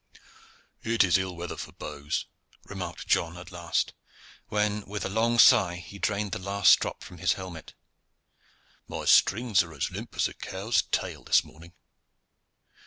"It is ill weather for bows," remarked John at last, when, with a long sigh, he drained the last drop from his helmet. "My strings are as limp as a cow's tail this morning."